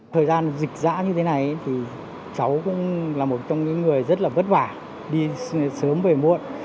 thời gian dịch giã như thế này thì cháu cũng là một trong những người rất là vất vả đi sớm về muộn